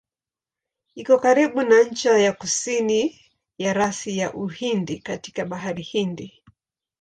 Iko karibu na ncha ya kusini ya rasi ya Uhindi katika Bahari Hindi.